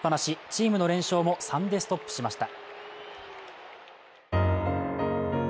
チームの連勝も３でストップしました。